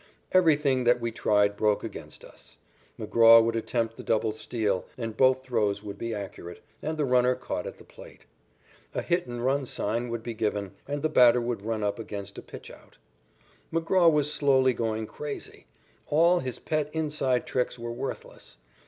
Everything that we tried broke against us. McGraw would attempt the double steal, and both throws would be accurate, and the runner caught at the plate. A hit and a run sign would be given, and the batter would run up against a pitch out. McGraw was slowly going crazy. All his pet "inside" tricks were worthless.